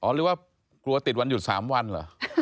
หรือว่ากลัวติดวันหยุด๓วันเหรอ